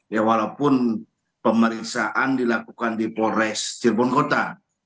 ya walaupun pemeriksaan dilakukan di polres cirebon kota